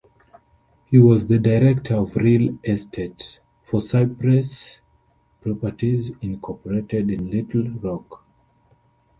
He was the director of real estate for Cypress Properties, Incorporated in Little Rock.